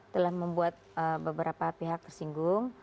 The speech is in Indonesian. telah membuat beberapa pihak tersinggung